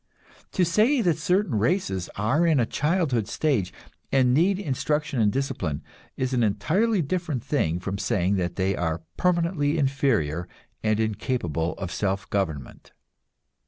To say that certain races are in a childhood stage, and need instruction and discipline, is an entirely different thing from saying they are permanently inferior and incapable of self government.